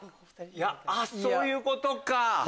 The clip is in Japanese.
あっそういうことか。